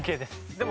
でも。